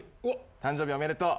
誕生日おめでとう。